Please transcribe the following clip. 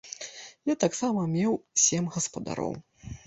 Я таксама меў сем гаспадароў.